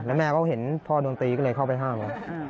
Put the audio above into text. แล้วแม่ก็เห็นพ่อโดนตีก็เลยเข้าไปห้าม